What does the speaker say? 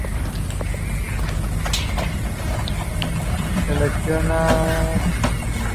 Mientras que Diego supera su temor de agua para salvar a Sid.